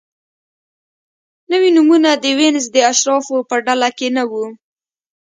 نوي نومونه د وینز د اشرافو په ډله کې نه وو.